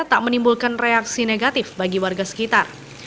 tak menimbulkan reaksi negatif bagi warga sekitar